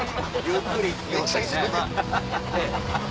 ゆっくり。